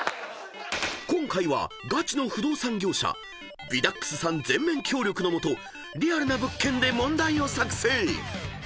［今回はガチの不動産業者ヴィダックスさん全面協力のもとリアルな物件で問題を作成］